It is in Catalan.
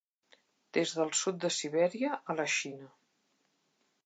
Des del sud de Sibèria a la Xina.